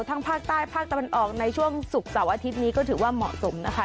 ทั้งภาคใต้ภาคตะวันออกในช่วงศุกร์เสาร์อาทิตย์นี้ก็ถือว่าเหมาะสมนะคะ